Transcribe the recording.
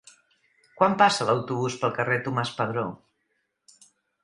Quan passa l'autobús pel carrer Tomàs Padró?